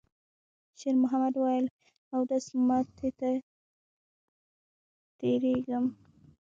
شېرمحمد وویل: «اودس ماتی ته تېرېږم.»